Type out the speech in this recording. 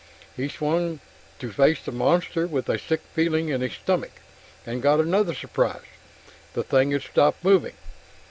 He swung to face the monster with a sick feeling in his stomach, and got another surprise. The thing had stopped moving.